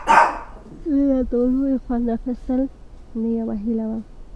له نندارو یې خوند اخیستل مې یوه هیله وه.